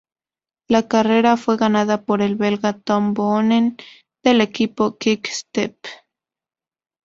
La carrera fue ganada por el belga Tom Boonen, del equipo Quick Step.